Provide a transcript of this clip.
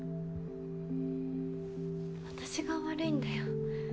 私が悪いんだよ。